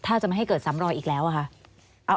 ถ้าจะไม่ให้เกิดซ้ำรอยอีกแล้วอะค่ะ